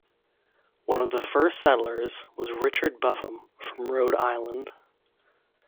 One of the first settlers was Richard Buffum from Rhode Island.